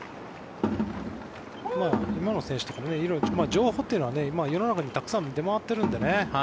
今の選手と情報っていうのは世の中にたくさん出回っているのでね。